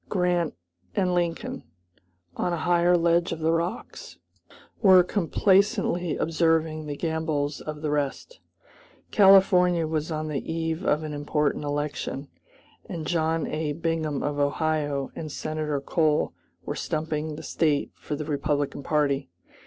Grant and Lincoln, on a higher ledge of the rocks, were complacently observing the gambols of the rest. California was on the eve of an important election, and John A. Bingham of Ohio and Senator Cole were stumping the State for the Republican party.